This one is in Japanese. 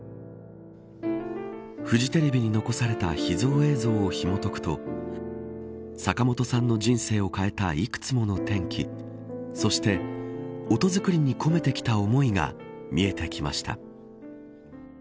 フジテレビに残された秘蔵映像をひもとくと坂本さんの人生を変えたいくつもの転機そして音づくりに込めてきた思いが見えてきました。